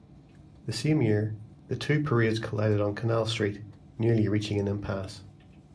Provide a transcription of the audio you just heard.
The same year, the two parades collided on Canal Street, nearly reaching an impasse.